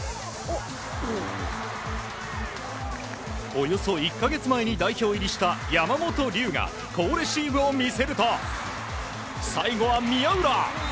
およそ１か月前に代表入りした山本龍が好レシーブを見せると最後は宮浦！